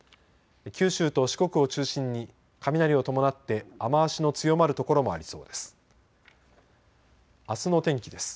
九州と四国を中心に雷を伴って雨足の強まる所もありそうです。